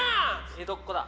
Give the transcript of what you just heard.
江戸っ子だ。